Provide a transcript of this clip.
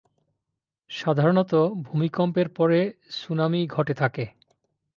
সাধারণত ভূমিকম্পের পরে সুনামি ঘটে থাকে।